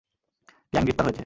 Gang গ্রেফতার হয়েছে।